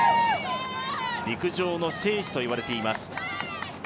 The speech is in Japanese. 陸上の聖地といわれています。